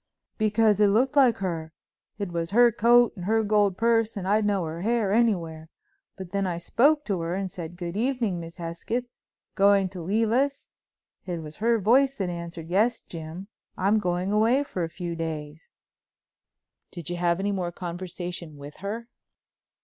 "Because it looked like her. It was her coat and her gold purse and I'd know her hair anywhere. And when I spoke to her and said: 'Good evening, Miss Hesketh, going to leave us?' it was her voice that answered: 'Yes, Jim, I'm going away for a few days.'" "Did you have any more conversation with her?"